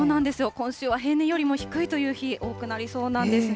今週は平年よりも低いという日、多くなりそうなんですね。